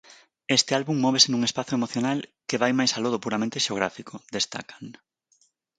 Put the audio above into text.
Este álbum móvese nun espazo emocional "que vai máis aló do puramente xeográfico", destacan.